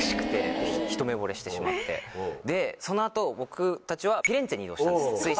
でその後僕たちはフィレンツェに移動したんです。